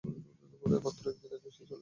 মাত্র একদিনে আগেই সে চলে গেল।